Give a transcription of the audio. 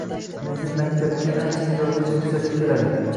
Meni maktabga ancha joygacha kuzatib keladi